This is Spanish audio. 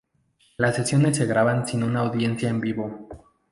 Las sesiones se graban sin una audiencia en vivo.